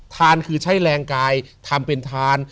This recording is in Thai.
ทานคือใช้แรงกายทำเป็นทาน